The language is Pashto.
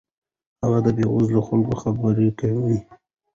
هغه د بې وزلو خلکو خبره وکړه.